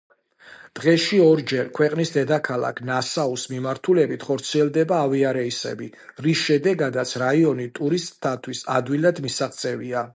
დღეში ორჯერ, ქვეყნის დედაქალაქ ნასაუს მიმართულებით ხორციელდება ავიარეისები, რის შედეგადაც რაიონი ტურისტთათვის ადვილად მისაღწევია.